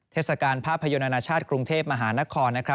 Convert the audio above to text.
เทศกาลภาพยนตร์นานาชาติกรุงเทพมหานคร